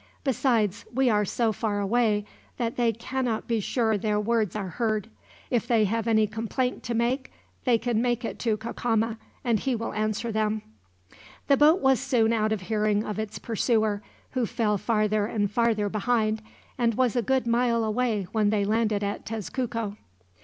Besides, we are so far away that they cannot be sure their words are heard. If they have any complaint to make they can make it to Cacama, and he will answer them." The boat was soon out of hearing of its pursuer, who fell farther and farther behind, and was a good mile away when they landed at Tezcuco.